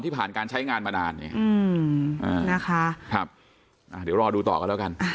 ผ่านการใช้งานมานานเนี่ยนะคะครับเดี๋ยวรอดูต่อกันแล้วกัน